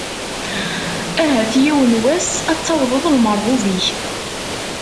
Ahat yiwen n wass ad tawḍeḍ lmerɣub-ik.